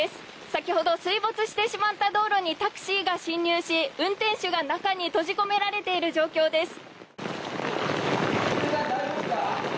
先ほど水没してしまった道路にタクシーが進入し運転手が中に閉じ込められている状況です。